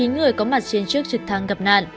chín người có mặt trên chiếc trực thăng gặp nạn